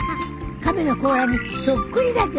亀の甲羅にそっくりだじょ。